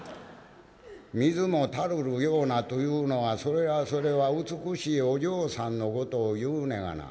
「『水も垂るるような』というのはそれはそれは美しいお嬢さんのことを言うねやがな」。